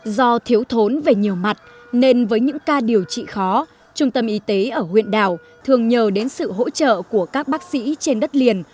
do thiếu thốn về nhiều mặt nên với những ca điều trị khó trung tâm y tế ở huyện đảo thường nhờ đến sự hỗ trợ của các bác sĩ trên đất liền